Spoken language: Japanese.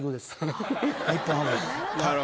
日本ハムは。